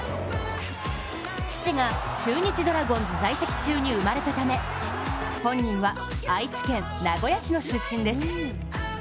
父が中日ドラゴンズ在籍中に生まれたため、本人は愛知県名古屋市の出身です。